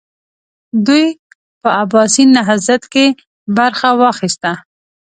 دوی په عباسي نهضت کې برخه واخیسته.